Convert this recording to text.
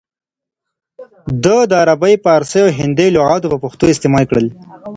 ده د عربي، فارسي او هندي لغاتونه په پښتو استعمال کړل